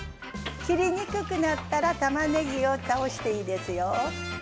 切りにくくなったらたまねぎを倒していいですよ。